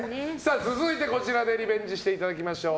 続いて、こちらでリベンジしていただきましょう。